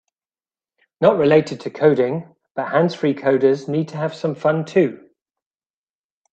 Not related to coding, but hands-free coders need to have some fun too.